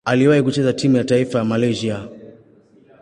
Aliwahi kucheza timu ya taifa ya Malaysia.